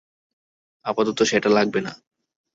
আপাতত সেটা লাগবে না।